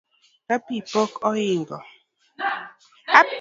Ka pi pok ohingo m